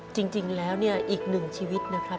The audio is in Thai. จริงแล้วเนี่ยอีกหนึ่งชีวิตนะครับ